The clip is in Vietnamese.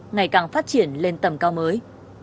ngày càng phát triển lên tầm cao mới